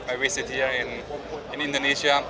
saya berada di indonesia